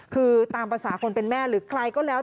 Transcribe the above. คือตามภาษาคนเป็นแม่หรือใครก็แล้ว